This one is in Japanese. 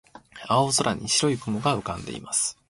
青空に白い雲が浮かんでいます。